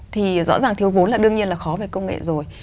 thì rõ ràng thiếu vốn là đương nhiên là khó về công nghệ rồi